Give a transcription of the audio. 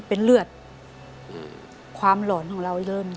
อเรนนี่นี่คือเหตุการณ์เริ่มต้นหลอนช่วงแรกแล้วมีอะไรอีก